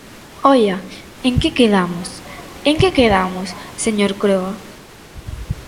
¡Oia!, ¿en que quedamos?, ¿en que quedamos, señor Croa?